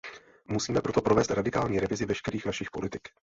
Musíme proto provést radikální revizi veškerých našich politik.